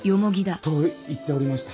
と言っておりました